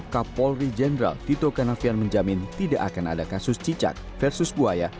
kapolri jenderal tito karnavian menjamin tidak akan ada kasus cicak versus buaya